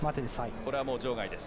これはもう場外です。